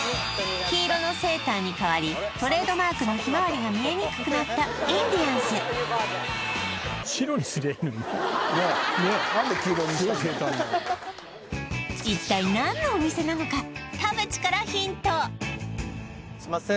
黄色のセーターに変わりトレードマークのヒマワリが見えにくくなったインディアンスねえすいません